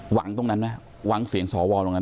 หวังตรงนั้นไหมหวังเสียงสวตรงนั้น